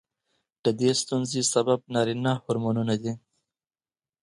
د دې ستونزې سبب نارینه هورمونونه دي.